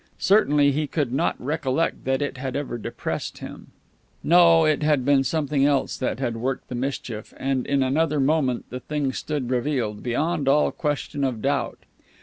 Certainly he could not recollect that it had ever depressed him. No, it had been something else that had worked the mischief and in another moment the thing stood revealed, beyond all question of doubt.